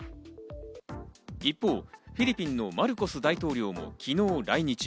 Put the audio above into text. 一方、フィリピンのマルコス大統領も昨日来日。